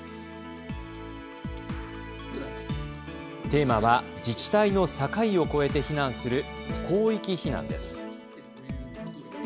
テーマは、自治体の境を越えて避難する、広域避難です。